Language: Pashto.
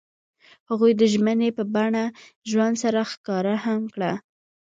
هغوی د ژمنې په بڼه ژوند سره ښکاره هم کړه.